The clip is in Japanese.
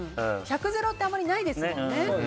１００：０ってあんまりないですもんね。